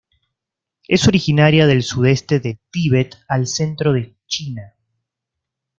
Es originaria del sudeste de Tibet al centro de China.